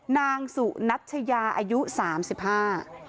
นางสุนัชยาอายุสามสิบห้า